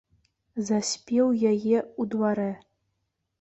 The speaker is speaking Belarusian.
Заспеў яе ў дварэ.